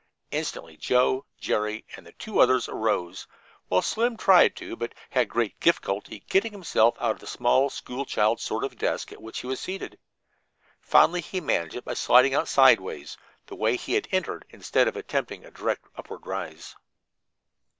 Instantly Joe, Jerry, and two others arose, while Slim tried to, but had great difficulty getting himself out of the small, school child's sort of desk at which he was seated. Finally he managed it by sliding out sidewise, the way he had entered, instead of attempting a direct upward rise.